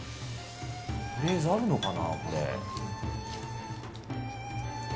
フレーズあるのかな。